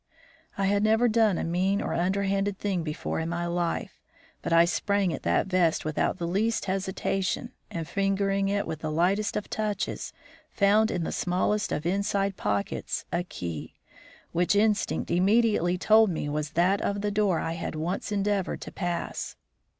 _ I had never done a mean or underhanded thing before in my life, but I sprang at that vest without the least hesitation, and fingering it with the lightest of touches, found in the smallest of inside pockets a key, which instinct immediately told me was that of the door I had once endeavored to pass.